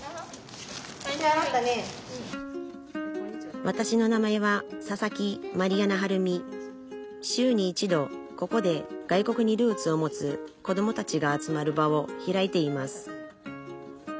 わたしの名前は週に一度ここで外国にルーツを持つこどもたちが集まる場を開いています